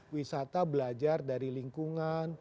wisata belajar dari lingkungan